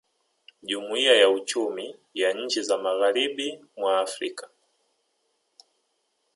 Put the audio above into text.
Jumuiya ya Uchumi ya Nchi za Magharibi mwa Afrika